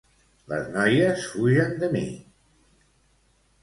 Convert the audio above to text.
Les noies fugen de mi.